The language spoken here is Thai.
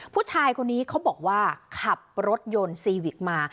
ผู้ชายคนนี้เขาบอกว่าขับรถยนต์ซีวิกมา